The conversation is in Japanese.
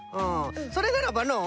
それならばのう